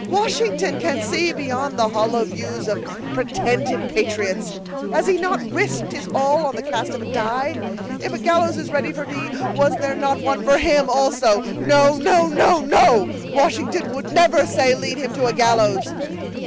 "Washington can see beyond the hollow views of pretended patriots. Has he not risked his all on the cast of a die? If a gallows is ready for me, was there not one for him also? No, no, no, no—Washington would never say, 'Lead him to a gallows.